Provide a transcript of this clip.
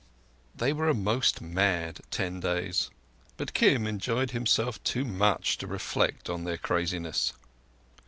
They were a most mad ten days, but Kim enjoyed himself too much to reflect on their craziness.